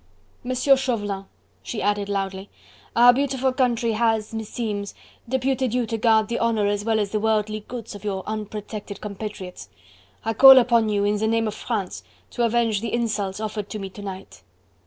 "M. Chauvelin," she added loudly, "our beautiful country has, meseems, deputed you to guard the honour as well as the worldly goods of your unprotected compatriots. I call upon you, in the name of France, to avenge the insults offered to me to night."